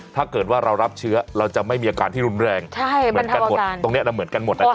ถ้าเกิดว่าเรารับเชื้อเราจะไม่มีอาการที่รุนแรงเหมือนกันหมดตรงนี้เหมือนกันหมดนะจ